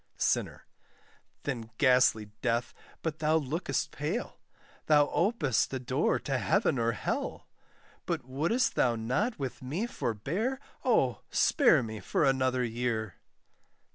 SINNER. Then ghastly Death, but thou look'st pale, Thou ope'st a door to heaven or hell; But woulst thou not with me forbear, Oh! spare me for another year.